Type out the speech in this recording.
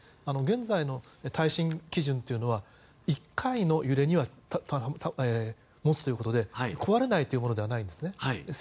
現在の耐震基準というのは１回の揺れには持つということで壊れないというものではないんですね。